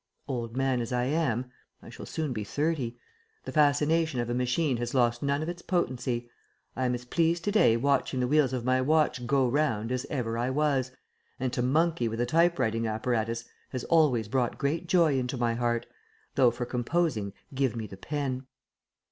Old man as I am I shall soon be thirty the fascination of a machine has lost none of its potency. I am as pleased to day watching the wheels of my watch "go round" as ever I was, and to "monkey" with a type writing apparatus has always brought great joy into my heart though for composing give me the pen.